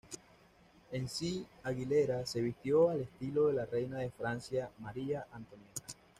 En si, Aguilera se vistió al estilo de la reina de Francia, Maria Antonieta.